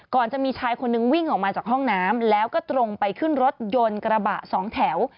จะมีชายคนนึงวิ่งออกมาจากห้องน้ำแล้วก็ตรงไปขึ้นรถยนต์กระบะสองแถว